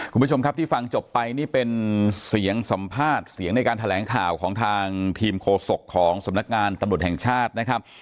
คุณผู้ชมครับที่ฟังจบไปนี่เป็นเสียงสัมภาษณ์เสียงในการแถลงข่าวของทางทีมโฆษกของสำนักงานตำรวจแห่งชาตินะครับ